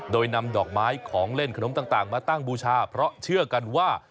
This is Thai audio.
โดยนำดอกไม้ของเล่นขนมต่างมาตั้งบูชาเพราะเชื่อกันว่า